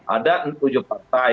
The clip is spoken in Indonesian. ada ujung partai